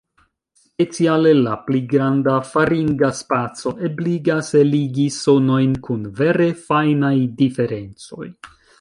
Speciale la pli granda faringa spaco ebligas eligi sonojn kun vere fajnaj diferencoj.